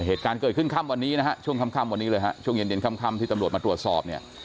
เหตุการณ์เกิดขึ้นค่ำวันนี้นะฮะช่วงค่ำวันนี้เลยฮะช่วงเย็นเย็นค่ำที่ตำรวจมาตรวจสอบเนี่ย